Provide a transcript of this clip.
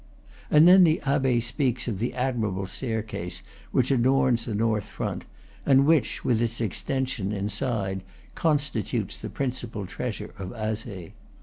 And then the Abbe speaks of the admirable staircase which adorns the north front, and which, with its extention, inside, constitutes the principal treasure of Azay.